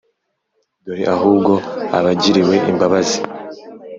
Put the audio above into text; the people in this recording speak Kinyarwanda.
dore ahubwo abagiriwe imbabazi.»